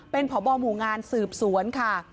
เป็นพบหมู่งานสืบสวนค่ะ